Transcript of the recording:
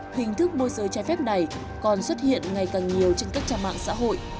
hình thức môi giới trái phép này còn xuất hiện ngày càng nhiều trên các trang mạng xã hội